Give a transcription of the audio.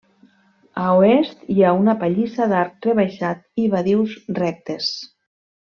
A oest hi ha una pallissa d'arc rebaixat i badius rectes.